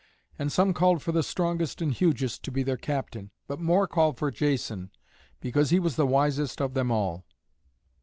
And some called for the strongest and hugest to be their captain, but more called for Jason, because he was the wisest of them all.